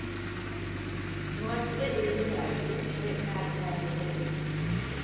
Macide elini verdi ve merdivenleri indi.